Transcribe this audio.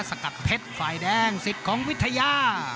สกัดเพชรฝ่ายแดงสิทธิ์ของวิทยา